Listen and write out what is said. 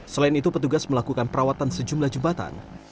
selain itu petugas melakukan perawatan sejumlah jembatan